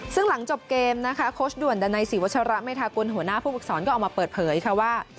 ซึ่งหลังจบเกมนะคะโค้ชด่วนดันัยศรีวัชระเมธากุลหัวหน้าผู้ฝึกศรก็ออกมาเปิดเผยค่ะว่า